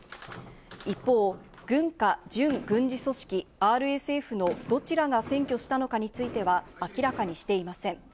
一方、軍か準軍事組織ＲＳＦのどちらが占拠したのかについては明らかにしていません。